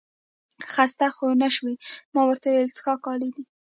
خسته خو نه شوې؟ ما ورته وویل څښاک عالي دی.